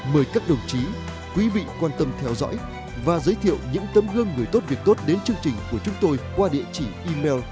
mời các đồng chí quý vị quan tâm theo dõi và giới thiệu những tấm gương người tốt việc tốt đến chương trình của chúng tôi qua địa chỉ email